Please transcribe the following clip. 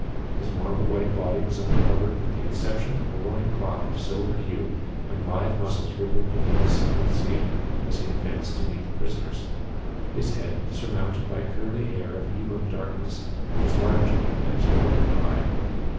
His marble white body was uncovered with the exception of a loin cloth of silver hue, and lithe muscles rippled beneath his smooth skin as he advanced to meet the prisoners. His head, surmounted by curly hair of ebon darkness, was large, and his forehead high.